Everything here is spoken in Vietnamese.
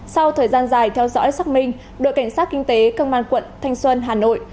sau thời gian dài theo dõi xác minh đội cảnh sát kinh tế công an quận thanh xuân hà nội